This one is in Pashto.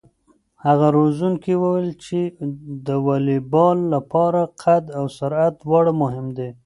هغه روزونکی وویل چې د واليبال لپاره قد او سرعت دواړه مهم دي.